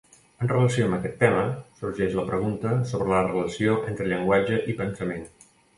En relació amb aquest tema, sorgeix la pregunta sobre la relació entre llenguatge i pensament.